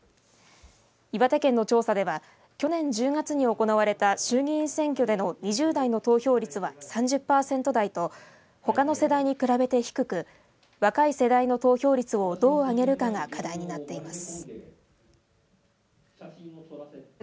岩手県の調査では去年１０月に行われた衆議院選挙での２０代の投票率は３０パーセント台とほかの世代と比べて低く若い世代の投票率をどう上げるかが課題になっています。